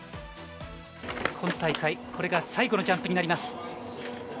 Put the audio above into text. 今大会、これが最後のジャンプになります。